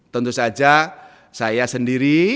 tentu saja saya sendiri